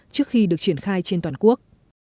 trước khi được triển khai trên toàn quốc